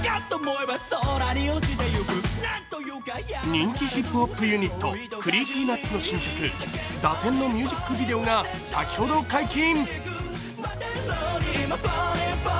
人気ヒップホップユニット、ＣｒｅｅｐｙＮｕｔｓの新曲「堕天」のミュージックビデオが先ほど解禁。